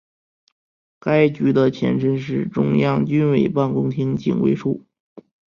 该局的前身是中央军委办公厅警卫处。